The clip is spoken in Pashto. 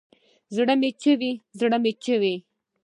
زړه مې چوي ، زړه مې چوي